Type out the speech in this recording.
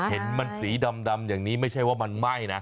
เห็นมันสีดำอย่างนี้ไม่ใช่ว่ามันไหม้นะ